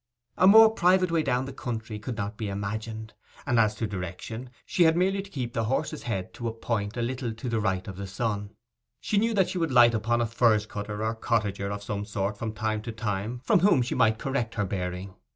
A more private way down the county could not be imagined; and as to direction, she had merely to keep her horse's head to a point a little to the right of the sun. She knew that she would light upon a furze cutter or cottager of some sort from time to time, from whom she might correct her bearing.